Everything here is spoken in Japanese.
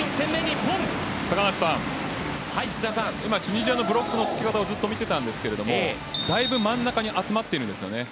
坂梨さん、チュニジアのブロックのつき方をずっと見ていたんですがだいぶ真ん中に集まっているんですね。